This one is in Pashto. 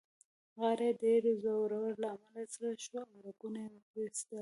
غاړه يې د ډېر زوره له امله سره شوه او رګونه يې پړسېدل.